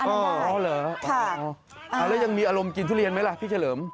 อันนั้นได้ค่ะอ๋อแล้วยังมีอารมณ์กินทุเรียนไหมล่ะพี่เฉลิม